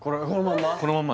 このまま？